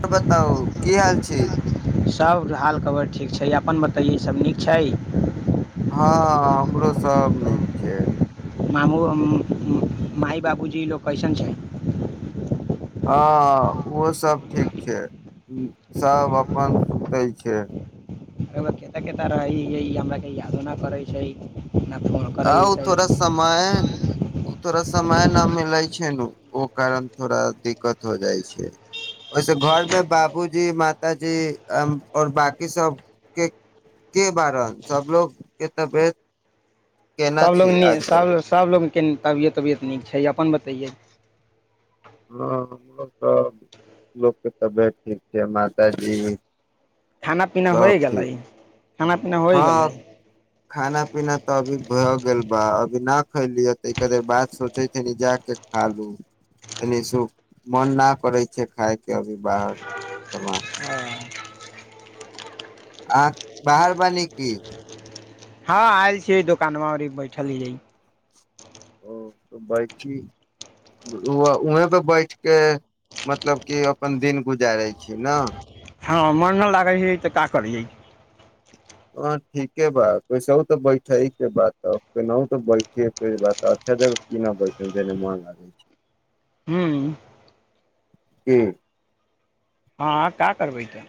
त बताउ की हाल छै सब हाल कबर ठीक छै अपन बतैयो सब नीक छै हँ हमरो सब नीक छै मामू माइ बाबूजी लोग कैसन छै हँ ओहो सब ठीक छै सभ अपन सुतै छै क कता रहै हमरा के यादो न पड़ै छै नहि फोन आ ओ करैतै थोड़ा समय ओ थोड़ा समय न मिलै छै ओ कारण थोड़ा दिक्कत हो जाइ छै ओहिसे घरमे बाबूजी मातााजी आओर बकी सबके के बारण सबलोग के तबियत केना सबलोग छै आजकल सबलोगके तबियत तबियत नीक छै अपन बतैै हँ हमरो त लोकके तबियत ठीक छै माताजी खाना पीनाा हो सब गेल गेलै ठीक पीना होइ हँ गेलै खाना पीना तऽ अभी भऽ गेल अभी ना खैलिय तऽ क बात सोचे छै जा के खा लू मन न करे छै खााय के अभी बाह चल आ बाहर बानी की हँ आयल छीय दोकान मे बैठलीइ ओ बैठी उहँपे बैठ क मतलब कि अपन दिन गुजारै छी ने हँ मन नहि लागै है तऽ का करियै ह ठीके बा कैस तऽ बैठे के बात केना तऽ बैठ बात अच्छा जगह की नहि बैठे देने मन लागै छै हू ह्म हँ का करबै तो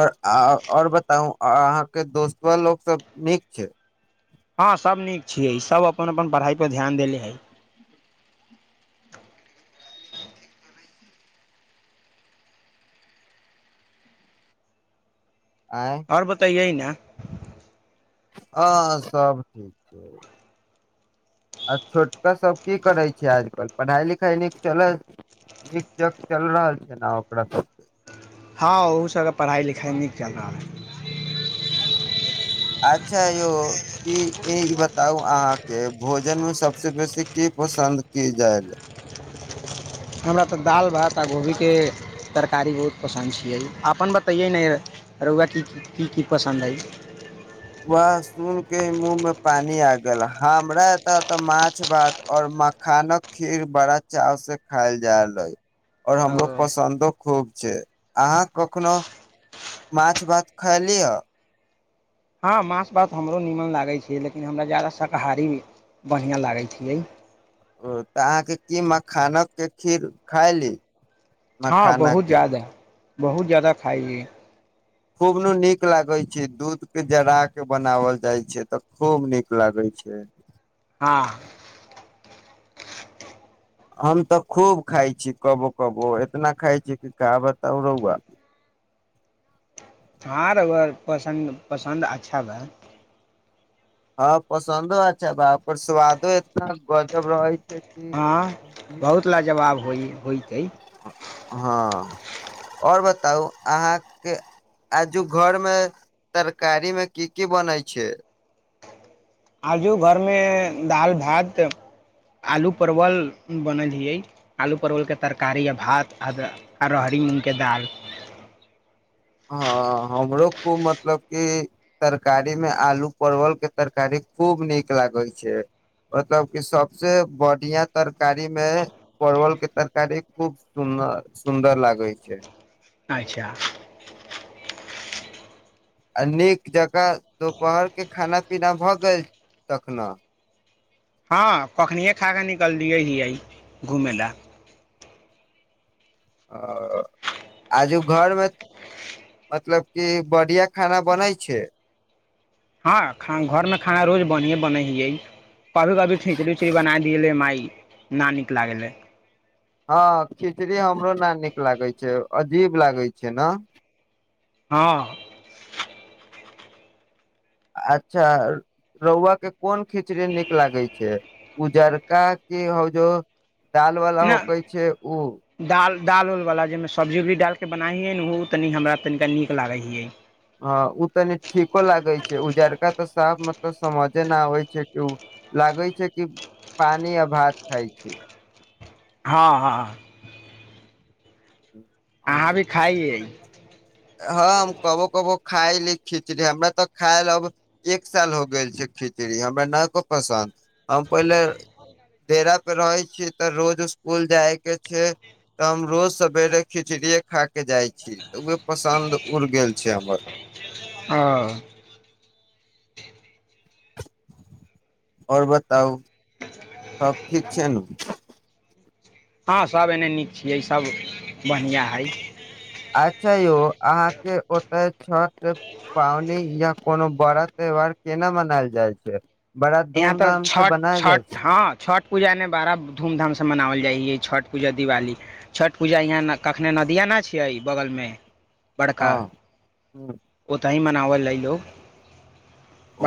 आओर आओर बताउ अहाँके दोस्तो लोकसभ नीक छै हँ सभ नीक छियै सभ अपन अपन पढ़ाइपर ध्यान देले हइ आय आओर बताएयै ने आ हँ सभ ठीक छै आ छोटकाभ की करै छै आजकल पढ़ाइ लिखाइ नीक चलै नीक ज चलि रहल छै ने ओकरा सभके हँ ओहू सभके पढ़ाइ लिखाइ नीक चलि रहल हइ अच्छा यौ क ई बताउ अहाँके भोजनमे सभसँ बेसी की पसन्द की जायल हमरा तऽ दालि भात आ गोभीके तरकारी बहुत पसन्द छियै अपन बतैयै ने रौआ की की की पसन्द हइ वए सुन के मुँह मे पानी आ गेल हमरा एतय ए तऽ माछ भात ओर मखानक खीर बड़ा चाव से खायल जायल अ ओर ओ हमरो पसन्दो खूब छै अहाँ कखनो माछ भात खायली ह हँ माँास भात हमरो निमन लागै छै लेकिन हमरा ज्यादा शाकाहारी बढ़िआँ लागैत छियै ओ तऽ अहाँके की मखानकके खीर खाय ली हँ बहुत ज्यादा बहुत जादा खाइ खूब ने नीक लागैत छै दूधके जरा कऽ बनाओल जाइत छै तऽ खूब नीक लागैत छै हँ हम तऽ खूब खाइ छी कबो कबो इतना खाइ छीय कि का बताउ रौआ ह पसन्द पसन्द अच्छा बए हँ पसन्दो अच छै बा पर स्वादो इतना गजब रहै छै कि हँ हम की बहुत बताउ लाजवाब होइ होइ छै हँ आओर बताउ अहाँके आजु घरमे तरकारीमे की की बनै छै आजू घरमे दालि भात आलू परवल बनल हियै आलू परवलके तरकारी आ भात आ आ रहरि मूँगके दालि हँ हमरो खूब मतलब कि तरकारीमे आलू परवलके तरकारी खूब नीक लागै छै मतलब कि सभसँ बढ़िआँ तरकारीमे परवलके तरकारी खूब सुर सुन्दर लागै छै अच्छा आ नीक जकाँ दुोपहरके खाना पीना भऽ गेल तखन हँ कखनिए खा कऽ निकललियै हियै घूमय लए आ आजू घरमे मतलब कि बढ़िआँ खाना बनै छै हँ खान घरमे खाना रोज बढ़िएँ बनै हियै कभी कभी खिचड़ी उचड़ी बना दै माय न नीक लागलै हँ खिचड़ी हमरो ने नीक लागैत छै अजीब लागै छै ने हँ अच्छा रहुआ के कोन खिचड़ी नीक लागै छै उजरका की ह जो दालवला होकै छै ओ दालि उलवला जाहिमे सब्जी उब्जी डालिके बनै हिए ने ओ तनि हमरा तनिका नीक लागै हिै अ ओ तनि ठीको लागै छै उजड़का तऽ साफ मतलब समझे नहि आबै छै कि ओ लागै छै कि पानि आ भात खाइ छै हँ हँ अहाँ भी खाइए हँ हम कबो कबो खाायली खिचड़ी हमरा तऽ खायल अब एक साल हो गेल छै खिचड़ी हमरा नहि को पसन्द हम पहिले डेरा पे रहे छी तऽ रोज स्कुल जाय के छै तऽ हम रोज सेरे खिचड़ीे खा के जाइ छी पसन्द उड़ गेल छै हमर ह आओर बताउ सबब ठीक छै न हँ सभ एने नीक छियै सभ बढ़िआँ हइ अच्छा यौ अहाँके ओतय छठ पावनि या कोनो बड़ा त्यौहार केना मनायल जाइ छै बड़ा यहाँ तऽ धूमधाम से छठ बनायल जाइ छठ छै हँ छठ पूजा ने बड़ा धूमधाम से मनाओल जाइ छै छठि पूजा दिवाली छठ पूजा यहाँ कखने नदिय ना छियै बगलमे बड़का हँ ओ त ह म नावल ल लौ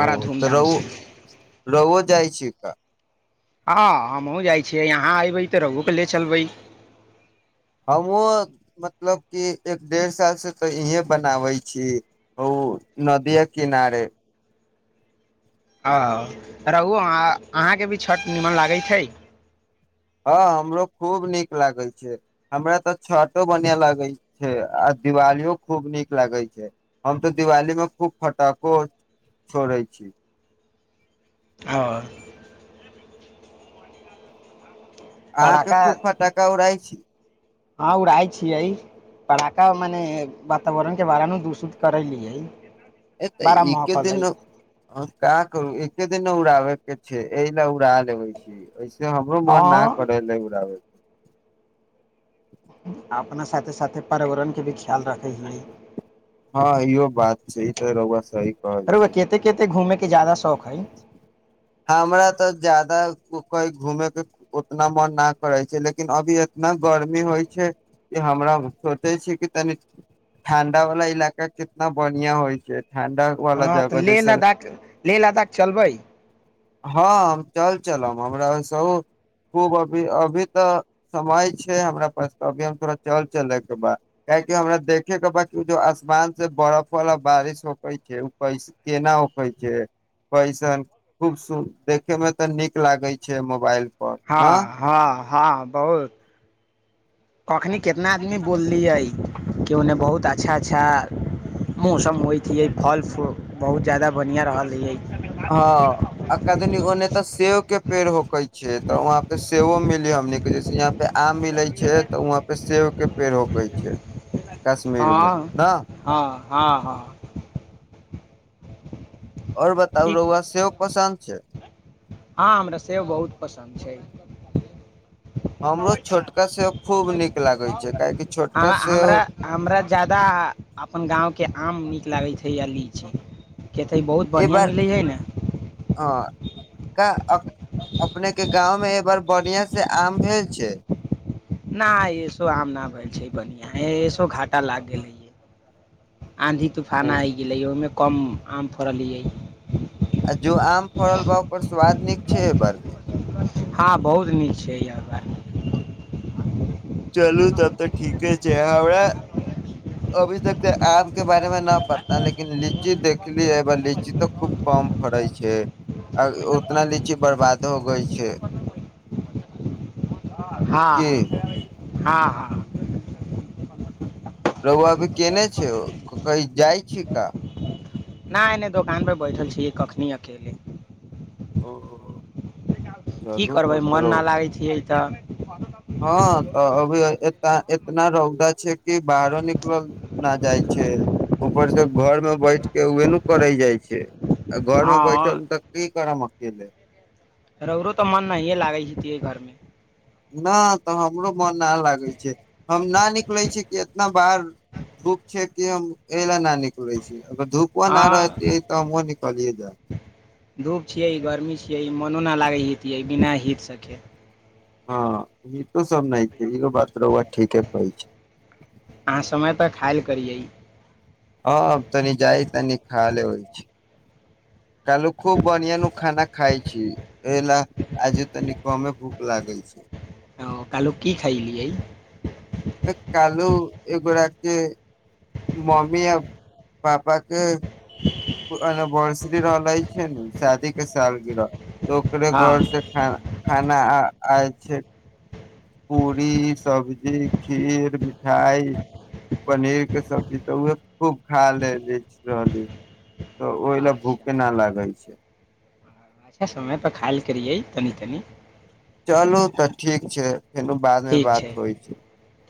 ओ त ओ रुउवा जाइ छै का हँ हमहुँ जाइ छियै यहाँ अयबै तऽ रहहुके ले चलबै हमहूँ मतलब कि एक डेढ़ सालसँ तऽ इहेँ बनाबै छी ओ ओ नदिये किनारे ओ रहू अह अहाँके भी छठि निमन लागैत छै हँ हमरो खूब नीक लागै छै हमरा तऽ छठो बढ़िआँ लगै छै आ दिवालियो खूब नीक लागै छै हम तऽ दिवालीमे खूब फटको छोड़ै छी हँ आहके पटाखा खूब फटाका उ रहइ [unintelligible] हँ उड़ै छियै कड़ाका मने वातावरण के बारेमे दूत करेलियै एत एकके दिन काँ करू एके दिन न उड़ाबे के छै एहि ले उड़ा लेबे छी हमरो मन न हँ कर ले बड़बै अपना साथे साथे पर्यावरणके भी ख्याल राखै छिय हँ इहो बात छै ई त रआ सी अरगा कते केते घूमेैके के जादा शौक है जादा कहई घूमे के उतना मन न करे छै लेकिन अभी इतना गर्मी होइ छै कि हमरा सोचे छी कि तनि ठणडा वाला इलाका कितना बढ़िया होइ छै ठण्डा वाला जगह जैसे ले ल त क चलबै हँ हम चल चलब हमरास खूब अभी अभी तऽ समय छै हमरा पास अभी हम थोड़ा चल चले के ब कियकि हमरा देखे के बी आसमान से बरफ वला बारिश होक छै ओ कैस केना कैसन खूब सुन देखे मे तऽ नीक लागे छै मोबाइल पर न हँ हँ हँ बहुत कखनी कितना आदमी बोललियै कि ओने बहुत अच्छा अच्छा मौसम होइत है फल फूल बहुत जादा बढ़िया रहल ह हँ आ कनी ओने तऽ सेब के पेड़ होकै छै तऽ वहां पे सेवो मिलिय हमनीके जैसे यहाँ पे आम मिलै छै तऽ वहां पे सेब के पेड़ होकै छै हँ कश्मीरमे न हँ हँ हँ आओर बताउ की रौआ सेव पसन्द छै हँ हमरा सेब बहुत पसन्द छै हमरो छोटका सेव खूब नीक लागै छै काहेकि छोटका हम सेव हमरा हमरा लागै छै या ली छै केतै बहुत बढ़िआँ मिलै हइ ने क अपनेके गाँवमे एहि बार बढ़िआं से आम भेल छै न एसो आम नहि भेल छै बढ़आ एसो घाटा लागि गेल है आँधी तूफाना आइ गेलै ओहिमे कम आम थोड़लियै जो आम फरल भाव पर स्वद नीक छै बर्ग हँ बहुत नीक छै य चलू तब तऽ ठीके छै हमरा अभी तक त आ के बारे मे न पता लेकिन लीची देखली ए बार लीची तऽ खूब कम फड़े छै उतना लीची बर्बाद हो गई छै की हँ हँ हँ प्रभु अभी केने छै ओ कही जाइ छी का नहि नहि दोकान परे बैठल छीियै कखनी अकेले ओ की करबै मन न लागै छियै तऽ हँ तऽ अभी इतना रौदा छै कि बाहरो निकलल नहि जाइ छै ऊपर से घर मे बैठ के उे ने करे जाइ छै घरमे हँ बैठल तऽ कीक कर म लै रहुरू तऽ मन नहिे लागै छियै घरमे न तऽ हमरो मन न लागै छै हम न निकले छी कि एतना बार धूप छै कि हम एहि ल नहि निकले छी अगर धूपो नहि रहतै हँ तऽ हमँ निकलिये जा धूप छियै गर्मी छियै मनो नहि लागै हित यै बिना हितसँके हँ ई तो सब नहि बात र ओआ ठीके कहै छै कैियै हँ तनी जाइ तनी खाले होइ छै कालू खूब बनिया न खान खाय छै प ल आजे तनि कमे भूख लागल छै क ख कालू एगोरा के मम्मी आ पापा के बनशरी रहलाय छै ने शादी क सालगर त ओकरे हँ घर से ख खाना अछे पूरी सब्जी खीर मिठाइ पनीरके सब्जी तऽ उह खूब खा ल रहली तऽ ओहि ल अच्छा भूखे नहि लागै छै अच्छा समयपर खाय करियै तनि तनि चलू तऽ ठीक छै फेर बादमे बात होइ छै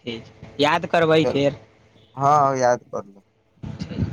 ठीक छै याद करबै चल फेर हँ याद करल ठीक।